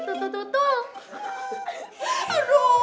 tuh tuh tuh tuh